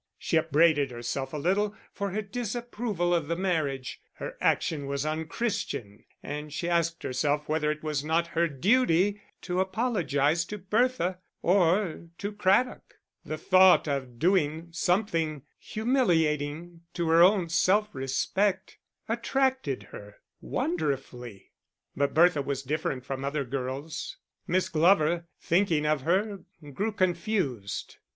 She upbraided herself a little for her disapproval of the marriage; her action was unchristian, and she asked herself whether it was not her duty to apologise to Bertha or to Craddock; the thought of doing something humiliating to her own self respect attracted her wonderfully. But Bertha was different from other girls; Miss Glover, thinking of her, grew confused.